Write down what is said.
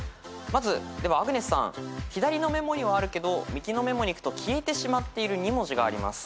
まずアグネスさん左のメモにはあるけど右のメモにいくと消えてしまっている２文字があります。